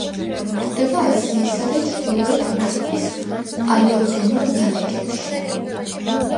გვხვდება აზიისა და ჩრდილოეთ ამერიკის პალეოგენურ ნალექებში.